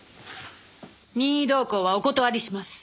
任意同行はお断りします。